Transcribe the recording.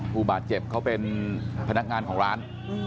ผู้บาดเจ็บเขาเป็นพนักงานของร้าน